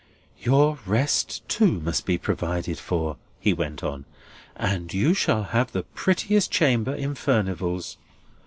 "Your rest too must be provided for," he went on; "and you shall have the prettiest chamber in Furnival's.